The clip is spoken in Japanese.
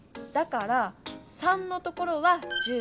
だから「３」のところは１５ふん。